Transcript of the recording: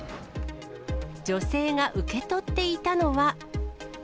女性が受け取っていたのは。